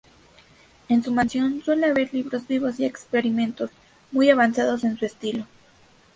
En su mansión, suele haber libros vivos, y experimentos muy avanzados en su estilo.